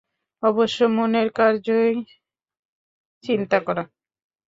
অবশ্য মনের কার্যই চিন্তা করা।